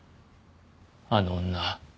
あの女